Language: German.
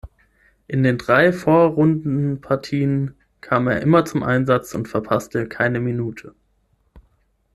In den drei Vorrundenpartien kam er immer zum Einsatz und verpasste keine Minute.